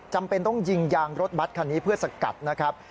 จำเป็นต้องยิงยางรถบัตรคันนี้เพื่อสกัดนะครับ